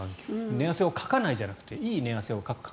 寝汗をかかないじゃなくていい寝汗をかくと。